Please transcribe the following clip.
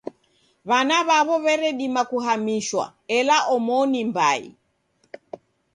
W'ana w'aw'o w'eredima kuhamishwa, ela omoni mbai.